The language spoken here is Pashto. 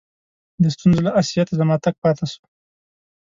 د ستونزو له آسیته زما تګ پاته سو.